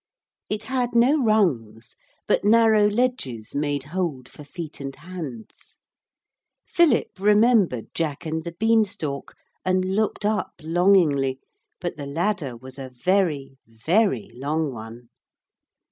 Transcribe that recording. It had no rungs, but narrow ledges made hold for feet and hands. Philip remembered Jack and the Beanstalk, and looked up longingly; but the ladder was a very very long one.